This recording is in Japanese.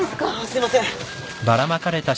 すいません。